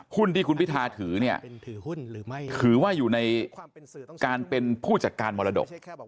หุ้นที่คุณพิทาถือเนี่ยถือว่าอยู่ในการเป็นผู้จัดการมรดก